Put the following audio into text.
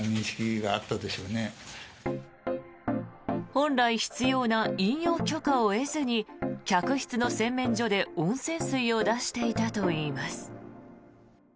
本来必要な飲用許可を得ずに客室の洗面所で温泉水を出していたといいます。